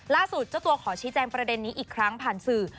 เจ้าตัวขอชี้แจงประเด็นนี้อีกครั้งผ่านสื่อ